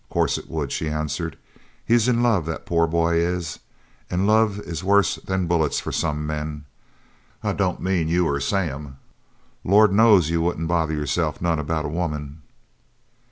"Of course it would," she answered. "He's in love, that poor boy is, an' love is worse than bullets for some men. I don't mean you or Sam. Lord knows you wouldn't bother yourselves none about a woman."